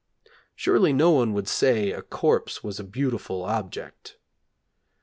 Surely no one would say a corpse was a beautiful object.